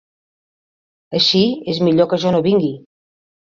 Així, és millor que jo no vingui.